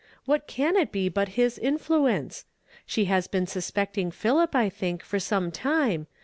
What can it be but his influence? She has been suspecting Philip, I think, for some time